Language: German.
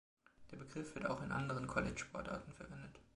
Der Begriff wird auch in anderen College-Sportarten verwendet.